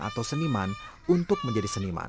atau seniman untuk menjadi seniman